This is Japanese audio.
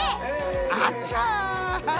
あっちゃー。